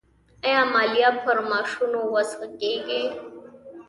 آیا مالیه پر معاشونو وضع کیږي؟